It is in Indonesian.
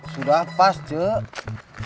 sudah pas cuk